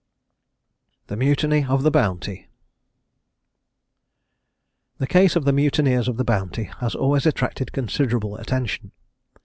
THE MUTINY OF THE BOUNTY. The case of the mutineers of the Bounty has always attracted considerable attention.